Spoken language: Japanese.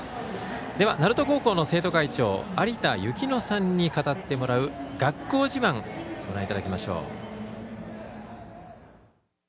では、鳴門高校の生徒会長有田雪乃さんに語ってもらう学校自慢ご覧いただきましょう。